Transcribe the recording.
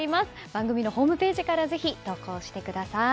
番組のホームページからぜひ投稿してください。